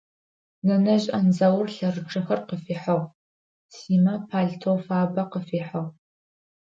Нэнэжъ Андзаур лъэрычъэхэр къыфихьыгъ, Симэ палътэу фабэ къыфихьыгъ.